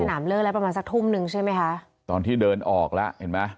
น้ำเลิกแล้วประมาณสักทุ่มนึงใช่ไหมคะตอนที่เดินออกแล้วเห็นไหม